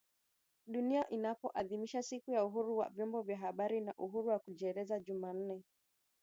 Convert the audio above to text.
Dunia inapoadhimisha siku ya uhuru wa vyombo vya habari na uhuru wa kujieleza Jumanne